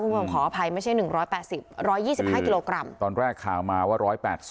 ขออภัยไม่ใช่๑๘๐๑๒๕กิโลกรัมตอนแรกข่าวมาว่า๑๘๐